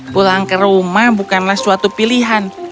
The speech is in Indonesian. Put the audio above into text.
pulang ke rumah bukanlah suatu pilihan